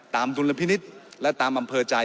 ดุลพินิษฐ์และตามอำเภอใจ